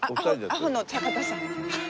アホの坂田さん。